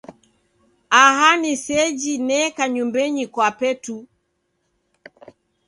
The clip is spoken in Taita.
Aha ni ni seji neka nyumbenyi kwape tu.